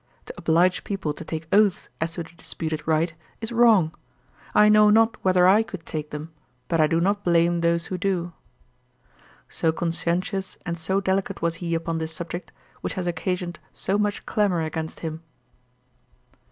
To oblige people to take oaths as to the disputed right, is wrong. I know not whether I could take them: but I do not blame those who do.' So conscientious and so delicate was he upon this subject, which has occasioned so much clamour against him.